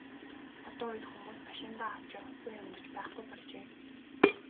Одоо үед хүмүүс машиндаа авч явахгүй юм гэж байхгүй болжээ.